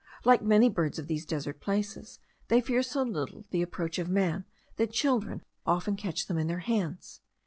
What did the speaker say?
Like many birds of these desert places, they fear so little the approach of man, that children often catch them in their hands.